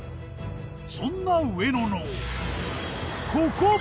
そんな上野のここ！